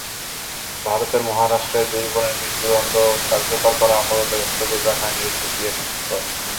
ভারতের মহারাষ্ট্রের দুই বোনের মৃত্যুদণ্ড কার্যকর করা আপাতত স্থগিত রাখার নির্দেশ দিয়েছেন হাইকোর্ট।